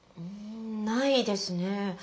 ないですね。